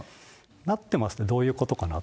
なってますって、どういうことかな？